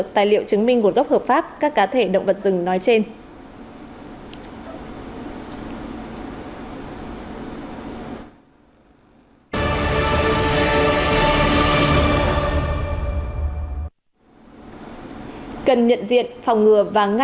tài liệu chứng minh nguồn gốc hợp pháp các cá thể động vật rừng nói trên